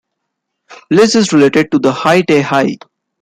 Liz is related to the Hi-de-Hi!